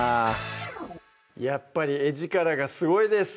やっぱり画力がすごいです！